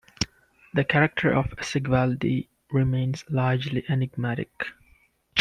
The character of Sigvaldi remains largely enigmatic.